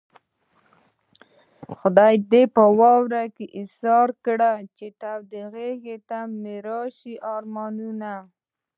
خدای دې په واورو کې ايسار کړه چې د تودې غېږې مې درشي ارمانونه